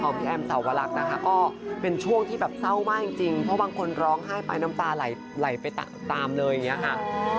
พี่แอมสาวลักษณ์นะคะก็เป็นช่วงที่แบบเศร้ามากจริงเพราะบางคนร้องไห้ไปน้ำตาไหลไปตามเลยอย่างนี้ค่ะ